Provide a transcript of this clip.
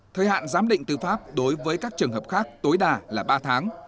thời hạn giám định tư pháp đối với các trường hợp khác tối đa là ba tháng